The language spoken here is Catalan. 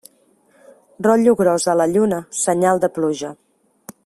Rotllo gros a la lluna, senyal de pluja.